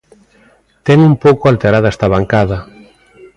Ten un pouco alterada esta bancada.